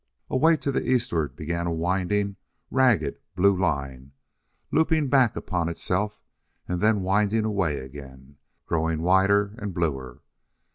Away to the eastward began a winding, ragged, blue line, looping back upon itself, and then winding away again, growing wider and bluer.